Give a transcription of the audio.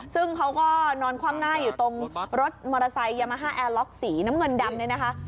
ซึ่งเขาก็นอนคว่ำหน้าอยู่ตรงรถมอเตอร์ไซค์ยามาฮ่าแอร์ล็อกสีน้ำเงินดำเนี่ยนะคะ